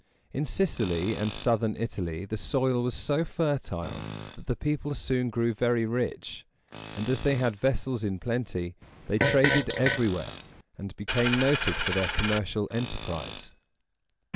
In Sicily and southern Italy the soil was so fertile that the people soon grew very rich; and, as they had vessels in plenty, they traded everywhere, and became noted for their commercial enterprise.